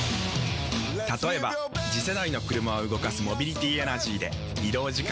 例えば次世代の車を動かすモビリティエナジーでまジカ⁉人間！